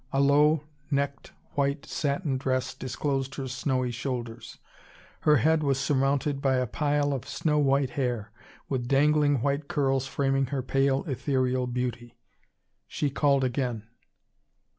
A low necked, white satin dress disclosed her snowy shoulders; her head was surmounted by a pile of snow white hair, with dangling white curls framing her pale ethereal beauty. She called again.